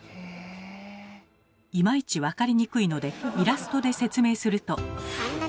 いまいち分かりにくいのでイラストで説明すると。